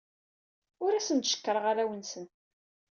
Ur asen-d-cekkṛeɣ arraw-nsen.